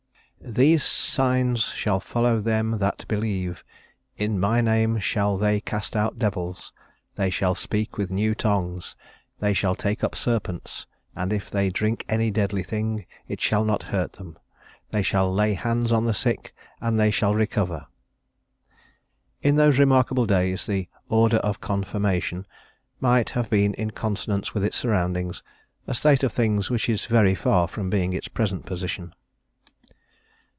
"These signs shall follow them that believe: In my name shall they cast out devils; they shall speak with new tongues; they shall take up serpents; and if they drink any deadly thing, it shall not hurt them; they shall lay hands on the sick, and they shall recover." In those remarkable days the "order of Confirmation" might have been in consonance with its surroundings, a state of things which is very far from being its present position.